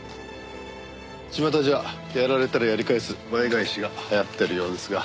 ちまたじゃ「やられたらやり返す倍返し」が流行ってるようですが。